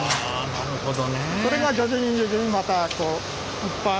なるほど。